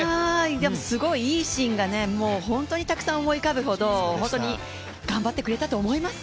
すごい、いいシーンが本当にたくさん思い浮かぶほど本当に頑張ってくれたと思います。